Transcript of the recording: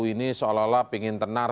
ini seolah olah pingin tenar